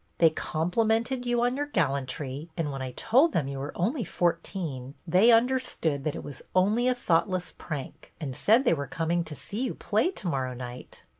" They complimented you on your gallantry, and when I told them you were only four teen, they understood that it was only a thoughtless prank, and said they were coming to see you play to morrow night."